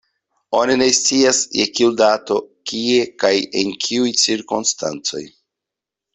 Oni ne scias je kiu dato, kie kaj en kiuj cirkonstancoj.